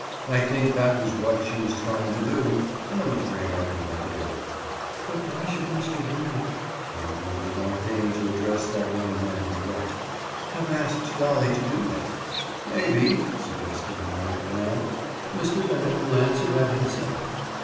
I think that was what she was trying to do and I'm afraid I prevented her." "But why should Mr. Bennett"—Gwendoline did not deign to address that young man direct—"have asked Dolly to do that?" "Maybe," suggested the monocle man, "Mr. Bennett will answer that himself."